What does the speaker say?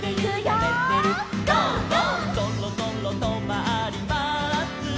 「そろそろとまります」